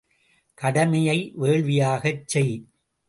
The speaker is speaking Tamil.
கடமையை வேள்வியாகச் செய்!